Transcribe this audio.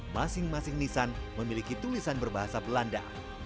masing masing nisan memiliki tulisan berbahasa belanda